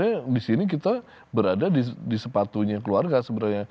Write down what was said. karena di sini kita berada di sepatunya keluarga sebenarnya